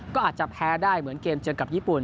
ก็อาจจะแพ้ได้เหมือนเกมเจอกับญี่ปุ่น